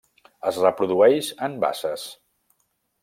Es reprodueix en basses.